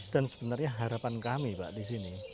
dan sebenarnya harapan kami pak di sini